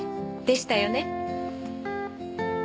でしたよね。